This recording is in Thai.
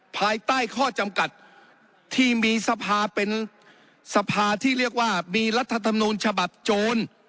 ภายใต้ข้อจำกัดที่มีสภาเป็นสภาที่เรียกว่ามีรัฐธรรมนูญฉบับโจร